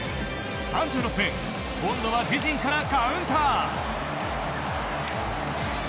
３６分今度は自陣からカウンター。